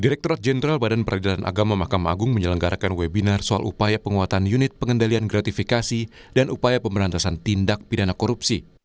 direkturat jenderal badan peradilan agama mahkamah agung menyelenggarakan webinar soal upaya penguatan unit pengendalian gratifikasi dan upaya pemberantasan tindak pidana korupsi